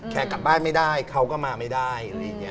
แค่กลับบ้านไม่ได้เขาก็มาไม่ได้